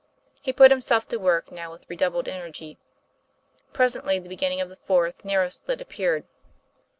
He put himself to work now with re doubled energy. Presently the beginning of the fourth narrow slit appeared.